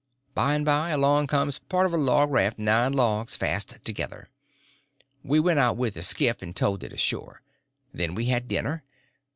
By and by along comes part of a log raft—nine logs fast together. We went out with the skiff and towed it ashore. Then we had dinner.